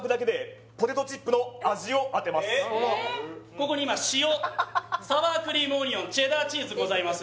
ここに今塩サワークリームオニオンチェダーチーズございます